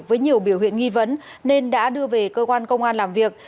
với nhiều biểu hiện nghi vấn nên đã đưa về cơ quan công an làm việc